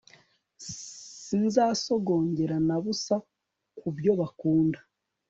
sinzasogongere na busa ku byo bakunda